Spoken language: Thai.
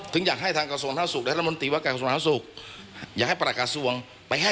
ถึงอยากให้ทางกระทรวงศาสตร์ศูนย์ธรรมดิวัตรกระทรวงศาสตร์ศูนย์ศูนย์